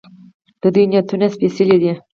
د دوی نیتونه سپیڅلي دي.